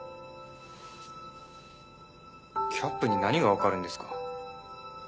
キャップに何がわかるんですか？